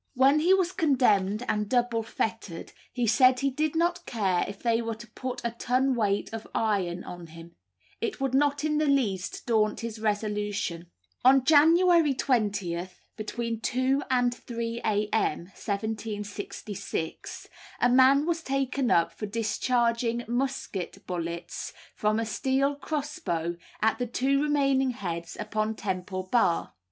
When he was condemned and double fettered, he said he did not care if they were to put a ton weight of iron on him; it would not in the least daunt his resolution." On January 20 (between 2 and 3 A.M.), 1766, a man was taken up for discharging musket bullets from a steel crossbow at the two remaining heads upon Temple Bar.